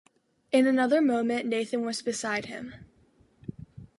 In another moment Nathan was beside him.